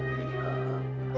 apalagi mba menodai aku mba